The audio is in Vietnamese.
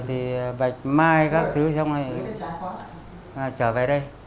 thì bạch mai các thứ xong lại trở về đây